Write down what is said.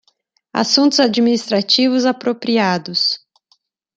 Assuntos administrativos apropriados